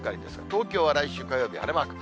東京は来週火曜日晴れマーク。